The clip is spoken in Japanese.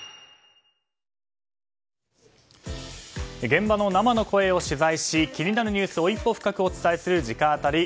現場の生を取材し気になるニュースを一歩深くお伝えする直アタリ。